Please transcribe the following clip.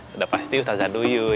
sudah pasti ustaz zanuyuy